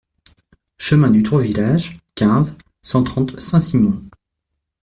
Chemin du Tour du Village, quinze, cent trente Saint-Simon